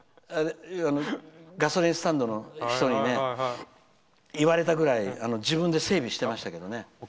ガソリンスタンドの人にね言われたぐらい、自分で整備してましたね。